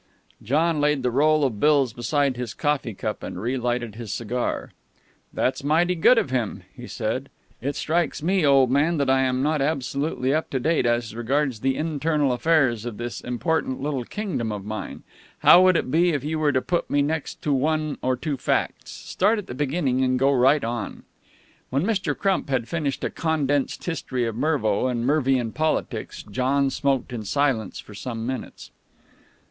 John laid the roll of bills beside his coffee cup, and relighted his cigar. "That's mighty good of him," he said. "It strikes me, old man, that I am not absolutely up to date as regards the internal affairs of this important little kingdom of mine. How would it be if you were to put me next to one or two facts? Start at the beginning and go right on." When Mr. Crump had finished a condensed history of Mervo and Mervian politics, John smoked in silence for some minutes.